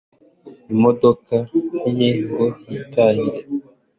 imodoka ye ngo yitahire